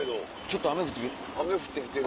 ちょっと雨降って。